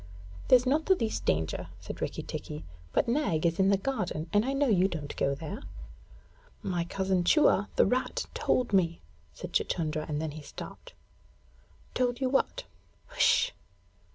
'There's not the least danger,' said Rikki tikki; 'but Nag is in the garden, and I know you don't go there.' 'My cousin Chua, the rat, told me ' said Chuchundra, and then he stopped. 'Told you what?' 'H'sh!